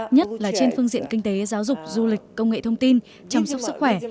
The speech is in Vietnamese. nhất là trên phương diện kinh tế giáo dục du lịch công nghệ thông tin chăm sóc sức khỏe